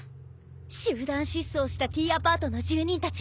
「集団失踪したＴアパートの住人たち」